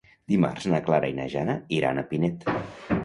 Dimarts na Clara i na Jana iran a Pinet.